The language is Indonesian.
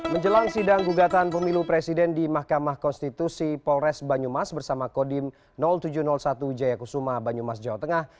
menjelang sidang gugatan pemilu presiden di mahkamah konstitusi polres banyumas bersama kodim tujuh ratus satu jaya kusuma banyumas jawa tengah